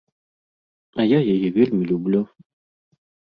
А я яе вельмі люблю.